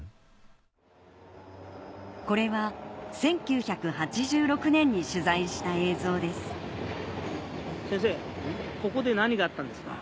これは１９８６年に取材した映像です